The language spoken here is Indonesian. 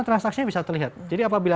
transaksi bisa terlihat jadi apabila